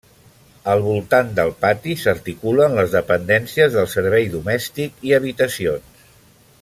Al voltant del pati s’articulen les dependències del servei domèstic i habitacions.